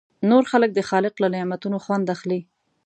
نور خلک د خالق له نعمتونو خوند اخلي.